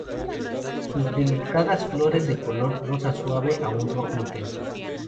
Sus delicadas flores de color rosa suave a un rojo intenso.